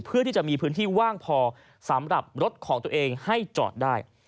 เพื่อที่จะมีพื้นที่ว่างพอสำหรับรถของตัวเองให้จอดได้